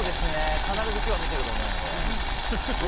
必ず今日は見てると思うので。